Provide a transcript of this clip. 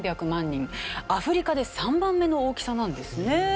アフリカで３番目の大きさなんですね。